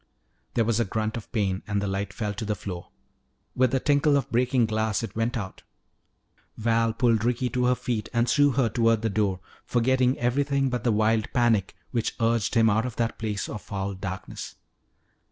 There was a grunt of pain and the light fell to the floor. With the tinkle of breaking glass it went out. Val pulled Ricky to her feet and threw her toward the door, forgetting everything but the wild panic which urged him out of that place of foul darkness.